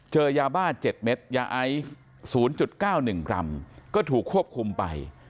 เจอยาบ้า๗เม็ดยาไอซ์๐๙๑กรัมก็ถูกควบคุมไป